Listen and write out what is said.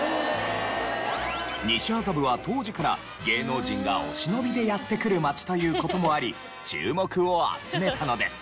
西麻布は当時から芸能人がお忍びでやって来る街という事もあり注目を集めたのです。